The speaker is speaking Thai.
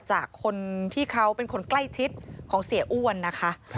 จากคนที่เขาเป็นคนใกล้ชิดของเสียอ้วนนะคะ